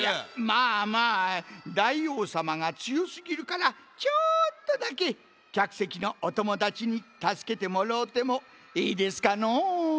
まあまあ大王さまがつよすぎるからちょっとだけきゃくせきのおともだちにたすけてもろうてもええですかのう？